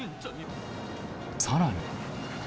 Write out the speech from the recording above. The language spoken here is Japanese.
さらに。